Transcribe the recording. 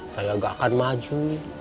saya gak akan maju